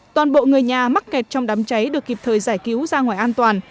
toàn bộ người nhà mắc kẹt trong đám cháy được kịp thời giải cứu ra ngoài an toàn